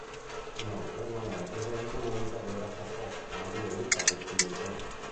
Inoltre, non era presente un'unica vera capote, ma due unità distinte.